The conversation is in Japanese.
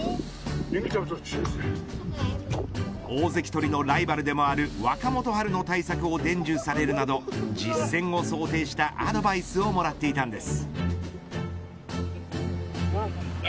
大関取りのライバルでもある若元春の対策を伝授されるなど実戦を想定したアドバイスをもらっていたんです。